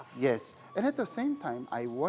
dan pada saat yang sama kami ingin